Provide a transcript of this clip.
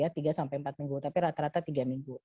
tapi rata rata tiga minggu